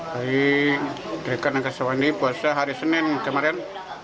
hari tarekat naksabandia puasa hari senin kemarin